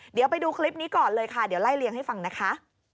เดี๋ยวไปดูคลิปนี้ก่อนเลยค่ะเดี๋ยวไล่เลี่ยงให้ฟังนะคะ